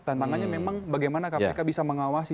tantangannya memang bagaimana kpk bisa mengawasi